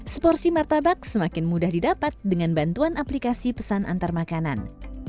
seporsi martabak semakin mudah didapat dengan bantuan aplikasi pesan antarmakanan